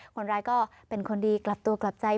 คนร้ายก็เป็นคนดีกลับตัวกลับใจ